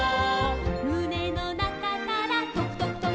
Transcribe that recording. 「むねのなかからとくとくとく」